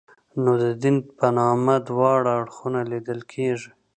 نو د دین په نامه دواړه اړخونه لیدل کېږي.